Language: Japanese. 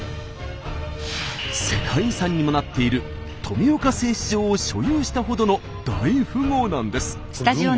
世界遺産にもなっている富岡製糸場を所有したほどの大富豪なんです。